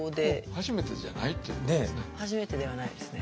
初めてじゃないっていうことですね。